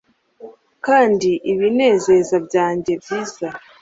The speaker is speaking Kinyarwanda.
kandi ibinezeza byanjye byiza